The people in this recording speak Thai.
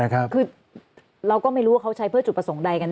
คือเราก็ไม่รู้ว่าเขาใช้เพื่อจุดประสงค์ใดกัน